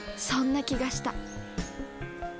そんな気がした。